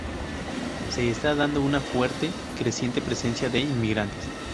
Se está dando una fuerte y creciente presencia de inmigrantes.